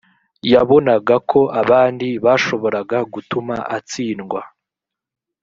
yabonaga ko abandi bashoboraga gutuma atsindwa